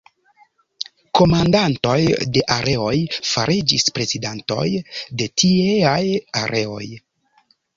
Komandantoj de areoj fariĝis prezidantoj de tieaj areoj.